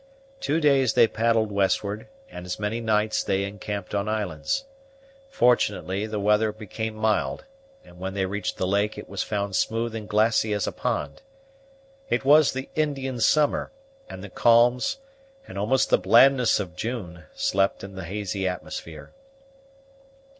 Two days they paddled westward, and as many nights they encamped on islands. Fortunately the weather became mild, and when they reached the lake it was found smooth and glassy as a pond. It was the Indian summer, and the calms, and almost the blandness of June, slept in the hazy atmosphere.